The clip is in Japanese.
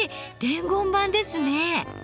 伝言板ですね。